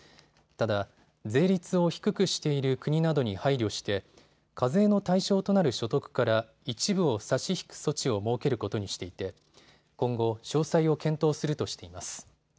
ただ、税率を低くしている国などに配慮して課税の対象となる所得から一部を差し引く措置を設けることにしていて今後、詳細を検討するとしています。